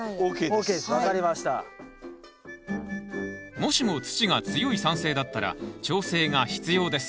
もしも土が強い酸性だったら調整が必要です。